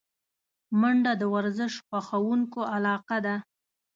منډه د ورزش خوښونکو علاقه ده